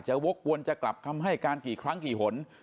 วกวนจะกลับคำให้การกี่ครั้งกี่หน